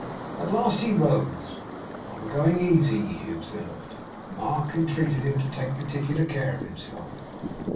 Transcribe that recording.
At last he rose. 'I am a going easy,' he observed. Mark entreated him to take particular care of himself.